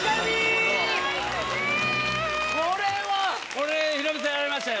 これヒロミさんやられましたよ。